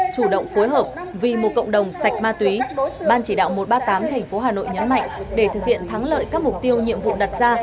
chủ động phối hợp vì một cộng đồng sạch ma túy ban chỉ đạo một trăm ba mươi tám tp hà nội nhấn mạnh để thực hiện thắng lợi các mục tiêu nhiệm vụ đặt ra